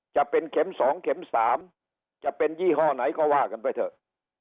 จะเป็นเข็ม๒เข็ม๓จะเป็นยี่ห้อไหนก็ว่ากันไปเถอะ